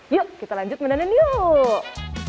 yuk kita lanjut menenun yuk